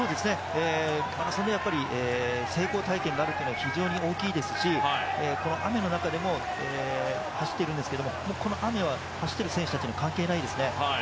マラソンでその成功体験があるのは非常に大きいですし、この雨の中でも走っているんですけれどもこの雨は走っている選手たちには関係ないですね。